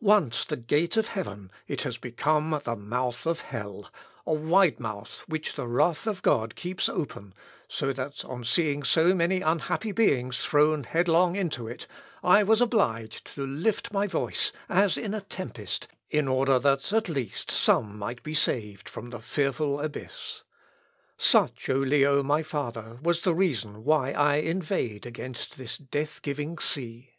Once the gate of heaven, it has become the mouth of hell a wide mouth which the wrath of God keeps open, so that, on seeing so many unhappy beings thrown headlong into it, I was obliged to lift my voice, as in a tempest, in order that, at least, some might be saved from the fearful abyss. Such, O Leo, my father, was the reason why I inveighed against this death giving see.